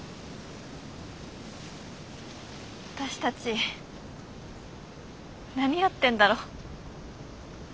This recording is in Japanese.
私たち何やってんだろう。